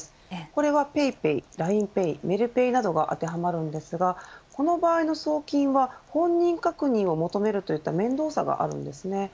これはＰａｙＰａｙＬＩＮＥＰａｙ、メルペイなどが当てはまるんですがこの場合の送金は本人確認を求めるといった面倒さがあります。